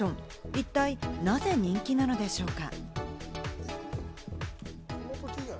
一体なぜ人気なのでしょうか？